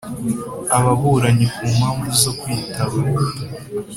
Ababuranyi ku mpamvu zo kwitaba